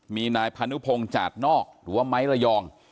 มีนายพานุพงศ์จาดนอกหรือว่าไม้ระยอง